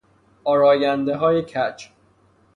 آرایندههای کج